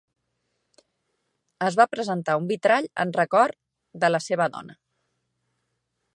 Es va presentar un vitrall en record de la seva dona.